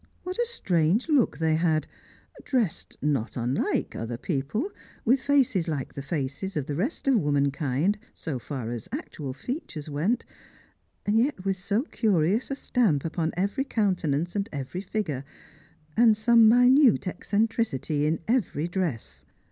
What a strange look they had, dressed not unlike other people, with faces like the faces of the rest of womankind so far as actual feature went, yet with so curious a stamp upon every countenance and every figure, and some minute eccentricity in every dress